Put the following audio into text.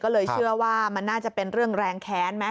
ก็เลยเชื่อว่ามันน่าจะเป็นเรื่องแรงแค้นไหม